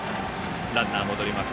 ランナー戻ります。